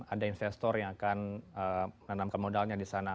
ada investor yang akan menanamkan modalnya di sana